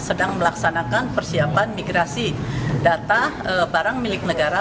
sedang melaksanakan persiapan migrasi data barang milik negara